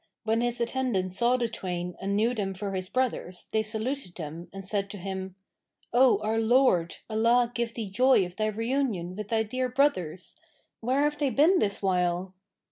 When his attendants saw the twain and knew them for his brothers they saluted them and said to him, "O our lord, Allah give thee joy of thy reunion with thy dear brothers! Where have they been this while?"